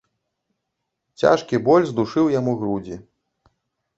Цяжкі боль здушыў яму грудзі.